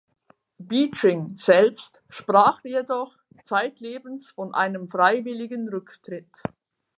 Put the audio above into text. Beeching selbst sprach jedoch zeitlebens von einem freiwilligen Rücktritt.